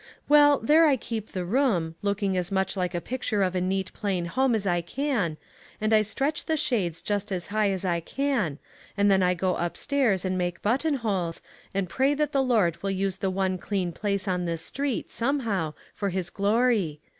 44 Well, there I keep the room, looking as much like a picture of a neat plain home as I can, and I stretch the shades just as high as I can, and then I go up stairs and make buttonholes, and pray that the Lord will use the one clean place on this street, ONE COMMONPLACE DAY. somehow, for his glory.